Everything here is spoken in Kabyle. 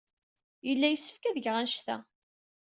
Yella yessefk ad geɣ anect-a.